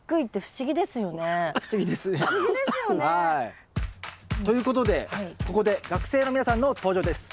不思議ですよね。ということでここで学生の皆さんの登場です。